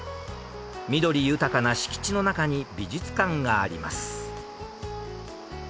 緑豊かな敷地の中に美術館があります。